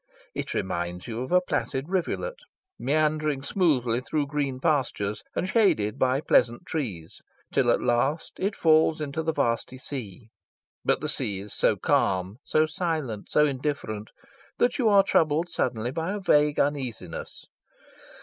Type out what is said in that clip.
It reminds you of a placid rivulet, meandering smoothly through green pastures and shaded by pleasant trees, till at last it falls into the vasty sea; but the sea is so calm, so silent, so indifferent, that you are troubled suddenly by a vague uneasiness.